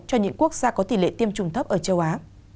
cho những quốc gia có tỷ lệ tiêm chủng thấp ở châu á